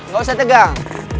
gak usah tegang